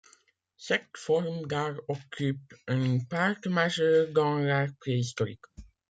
Cette forme d'art occupe une part majeure dans l'art préhistorique.